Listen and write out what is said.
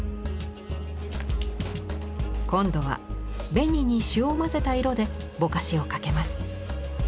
今度は紅に朱を混ぜた色でぼかしをかけます。